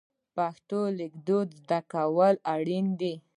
پښتو لیکدود زده کول اړین دي.